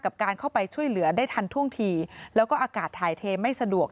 การเข้าไปช่วยเหลือได้ทันท่วงทีแล้วก็อากาศถ่ายเทไม่สะดวก